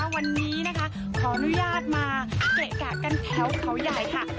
วันนี้นะคะขออนุญาตมาเกะกะกันแถวเขาใหญ่ค่ะ